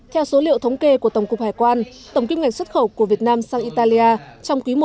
theo số liệu thống kê của tổng cục hải quan tổng kim ngạch xuất khẩu của việt nam sang italia trong quý i năm hai nghìn một mươi chín